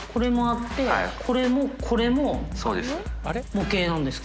模型なんですか？